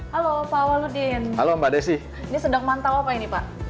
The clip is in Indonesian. halo pak waludin ini sedang mantau apa ini pak